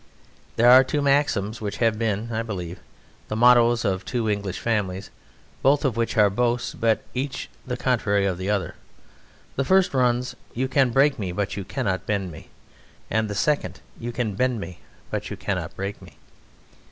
There are two maxims, which have been, I believe, the mottoes of two English families, both of which are boasts but each the contrary of the other. The first runs, "You can break me, but you cannot bend me"; and the second, "You can bend me, but you cannot break me."